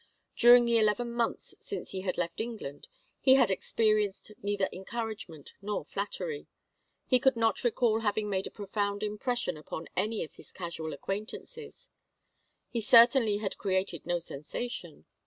During the eleven months since he had left England he had experienced neither encouragement nor flattery. He could not recall having made a profound impression upon any of his casual acquaintances; he certainly had created no sensation.